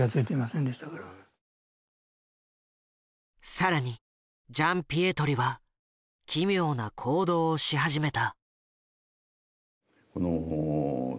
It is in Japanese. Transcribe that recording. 更にジャンピエトリは奇妙な行動をし始めた。